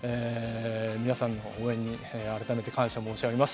皆さんの応援に改めて感謝申し上げます。